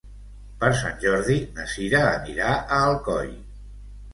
Per Sant Jordi na Sira anirà a Alcoi.